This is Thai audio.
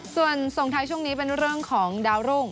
ส่วนส่งท้ายช่วงนี้เป็นเรื่องของดาวรุ่ง